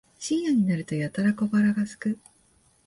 深夜になるとやたら小腹がすく